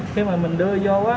khi mà mình đưa vô á